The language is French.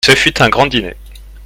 Ce fut un grand dîner.